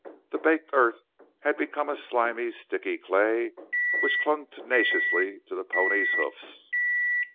The baked earth had become a slimy, sticky clay which clung tenaciously to the pony's hoofs.